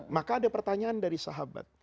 maka ada pertanyaan dari sahabat